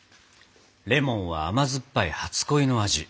レモンは甘酸っぱい初恋の味